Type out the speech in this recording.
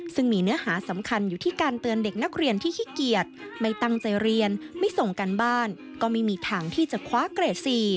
ซึ่งมีเนื้อหาสำคัญอยู่ที่การเตือนเด็กนักเรียนที่ขี้เกียจไม่ตั้งใจเรียนไม่ส่งการบ้านก็ไม่มีทางที่จะคว้าเกรด๔